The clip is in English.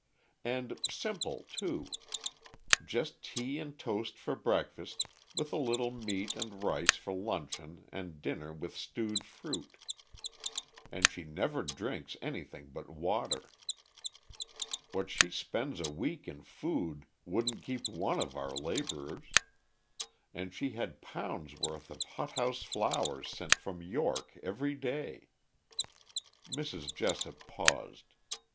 And simple, too. Just tea and toast for breakfast with a little meat and rice for luncheon and dinner with stewed fruit. And she never drinks anything but water. What she spends a week in food wouldn't keep one of our laborers. And she had pounds' worth of hot house flowers sent from York every day." Mrs. Jessop paused.